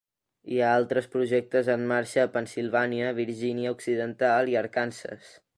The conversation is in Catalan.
Hi ha altres projectes en marxa a Pennsilvània, Virgínia Occidental i Arkansas.